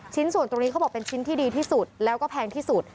ชิ้นส่วนตรงนี้เขาบอกเป็นชิ้นที่ดีที่สุดแล้วก็แพงที่สุด